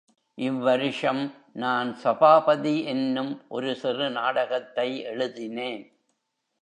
இவ்வருஷம் நான் சபாபதி என்னும் ஒரு சிறு நாடகத்தை எழுதினேன்.